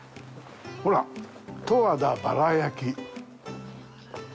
ほら、「十和田バラ焼き」。